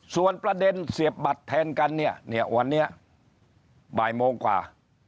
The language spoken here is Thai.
ส่วนประเด็นเสียบบัตรแทนกันเนี่ยเนี่ยวันนี้บ่ายโมงกว่า